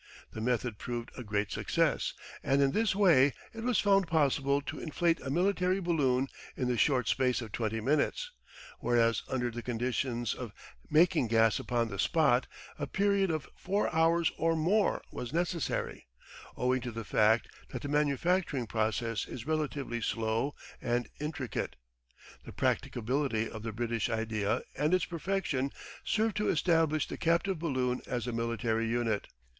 The method proved a great success, and in this way it was found possible to inflate a military balloon in the short space of 20 minutes, whereas, under the conditions of making gas upon the spot, a period of four hours or more was necessary, owing to the fact that the manufacturing process is relatively slow and intricate. The practicability of the British idea and its perfection served to establish the captive balloon as a military unit.